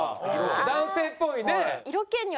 男性っぽいね。